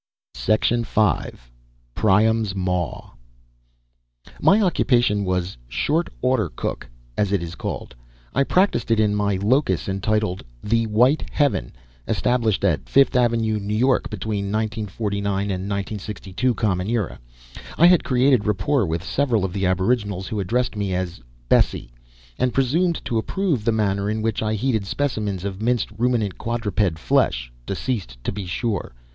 V Priam's Maw My occupation was "short order cook", as it is called. I practiced it in a locus entitled "The White Heaven," established at Fifth Avenue, Newyork, between 1949 and 1962 C.E. I had created rapport with several of the aboriginals, who addressed me as Bessie, and presumed to approve the manner in which I heated specimens of minced ruminant quadruped flesh (deceased to be sure).